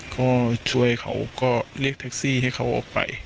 ก็ช่วยเขาก็เรียกแท็กซี่ให้เขาออกไป